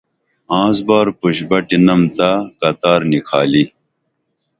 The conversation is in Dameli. آنس بار پُش بٹی نم تہ قطار نِکھالی